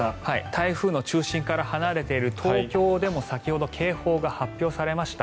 台風の中心から離れている東京でも先ほど警報が発表されました。